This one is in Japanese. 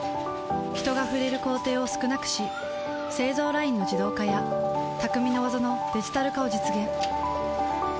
人が触れる工程を少なくし製造ラインの自動化や匠の技のデジタル化を実現